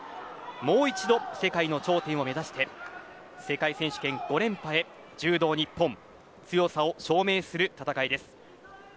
もう一度世界の頂点を目指して世界選手権５連覇へ、柔道日本強さを証明する戦いです。